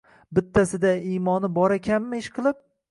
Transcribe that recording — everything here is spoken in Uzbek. Bittasida imoni borakanmi ishqilib